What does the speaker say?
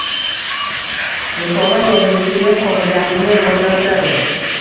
Mutolaa yozuvchilik qobiliyatini rivojlantiradi.